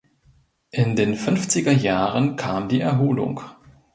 In den fünfziger Jahren kam die Erholung.